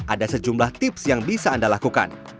ada sejumlah tips yang bisa anda lakukan